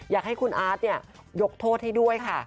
อยากให้คุณอาร์ตยกโทษให้ด้วยค่ะ